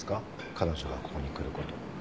彼女がここに来ること。